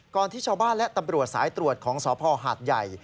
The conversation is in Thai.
ที่ชาวบ้านและตำรวจสายตรวจของสพหาดใหญ่